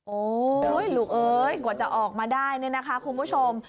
โอ๊ยลูกเอ้ยกว่าจะออกมาได้เนี่ยนะคะคุณผู้ชม